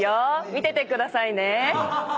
見ててください。